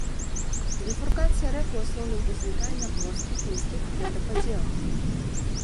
Біфуркацыя рэк у асноўным узнікае на плоскіх нізкіх водападзелах.